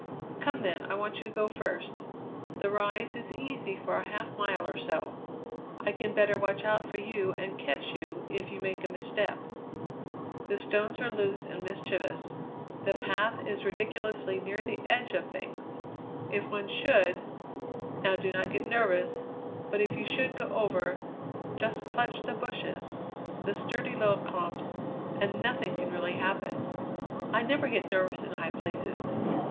"Come, then! I want you to go first. The rise is easy for a half mile or so. I can better watch out for you and catch you if you make a misstep. The stones are loose and mischievous; the path is ridiculously near the edge of things. If one should now do not get nervous, but if you should go over, just clutch the bushes, the sturdy little clumps, and nothing can really happen." "I never get nervous in high places.